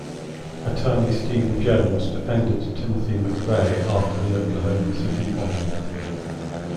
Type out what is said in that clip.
Attorney Stephen Jones defended Timothy McVeigh after the Oklahoma City bombing.